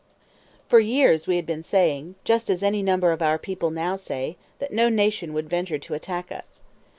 For years we had been saying, just as any number of our people now say, that no nation would venture to attack us.